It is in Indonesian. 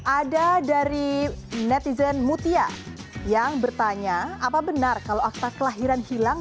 ada dari netizen mutia yang bertanya apa benar kalau akta kelahiran hilang